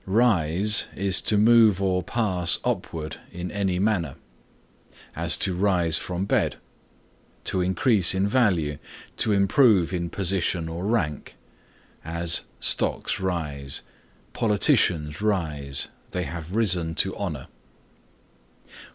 Rise is to move or pass upward in any manner; as to "rise from bed;" to increase in value, to improve in position or rank, as "stocks rise;" "politicians rise;" "they have risen to honor."